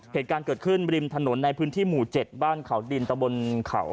เหตุการณ์เกิดขึ้นริมถนนในพื้นที่หมู่๗บ้านเขาดินตะบนเขา